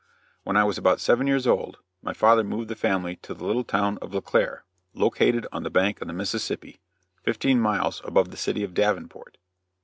When I was about seven years old my father moved the family to the little town of LeClair, located on the bank of the Mississippi, fifteen miles above the city of Davenport.